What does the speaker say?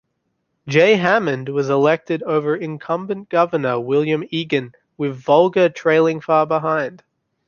Jay Hammond was elected over incumbent governor William Egan, with Vogler trailing far behind.